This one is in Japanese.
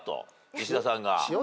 石田さんが。